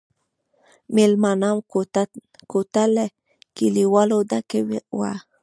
مېلمانه کوټه له کليوالو ډکه وه.